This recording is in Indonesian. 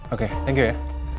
oke terima kasih ya